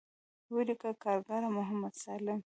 وليکه کارګر محمد سالم.